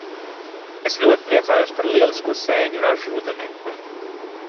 Es ļoti priecājos par lielisko sēņu ražu rudenī.